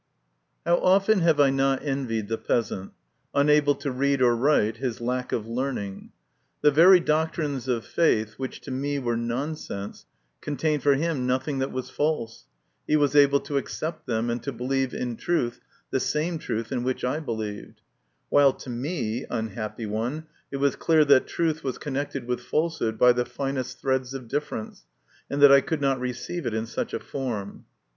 XV. How often have I not envied the peasant, unable to read or write, his lack of learning. The very doctrines of faith which to me were nonsense contained for him nothing that was false ; he was able to accept them and to believe in truth the same truth in which I believed ; while to me, unhappy one, it was clear that truth was connected with falsehood by the finest threads of difference, and that I could not receive it in such a form.